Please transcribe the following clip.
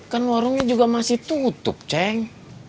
kan warungnya juga masih tutup ceng